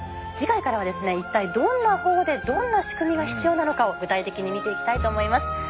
次回からは一体どんな法でどんな仕組みが必要なのかを具体的に見ていきたいと思います。